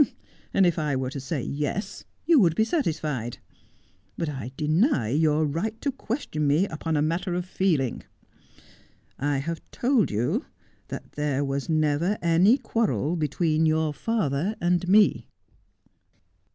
' And if I were to say yes, you would be satisfied. But 1 deny your right to question me upon a matter of feeling. I have told you that there was never any quarrel between your father and me.'